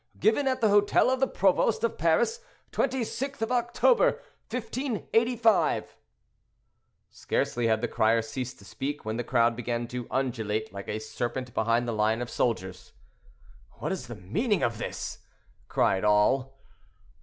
Given at the hotel of the provost of Paris, 26th of October, 1585." Scarcely had the crier ceased to speak, when the crowd began to undulate like a serpent behind the line of soldiers. "What is the meaning of this?" cried all.